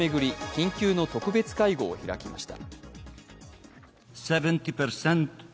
緊急の特別会合を開きました。